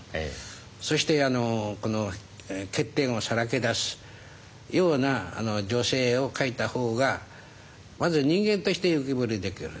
そして欠点をさらけ出すような女性を書いた方がまず人間として浮き彫りにできる。